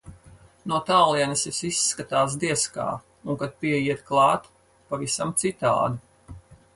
No tālienes viss izskatās, diez kā, un kad pieiet klāt - pavisam citādi.